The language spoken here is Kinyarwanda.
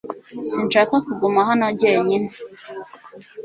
Sinshaka kuguma hano jyenyine .